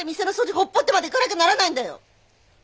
ほっぽってまで行かなきゃならないんだよ！？